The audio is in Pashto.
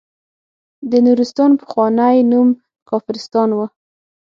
د نورستان پخوانی نوم کافرستان وه.